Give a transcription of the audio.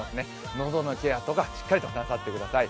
喉のケアとかしっかりとなさってください。